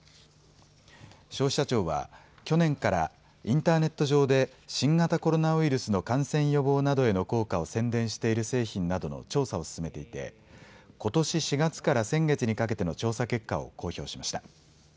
消費者庁は去年からインターネット上で新型コロナウイルスの感染予防などへの効果を宣伝している製品などの調査を進めていてことし４月から先月にかけての調査結果を公表しました。